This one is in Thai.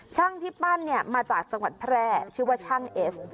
ช่างที่ปั้นเนี่ยมาจากจังหวัดแพร่ชื่อว่าช่างเอส